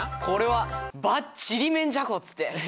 これはばっちりめんじゃこっつって。